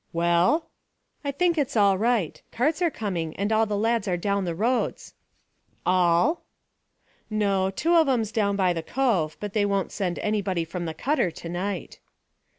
"Well?" "I think it's all right. Carts are coming, and all the lads are down the roads." "All?" "No. Two of 'em's down by the cove, but they won't send anybody from the cutter to night."